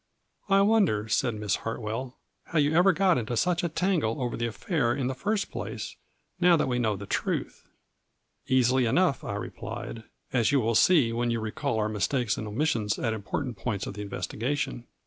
" I wonder," said Miss Hartwell, " how you ever got into such a tangle over the affair in the first place, now that we know the truth." " Easily enough," I replied, "As you will see when you recall our mistakes and omissions A FLURRY IN DIAMONDS. 200 at important points of the investigation.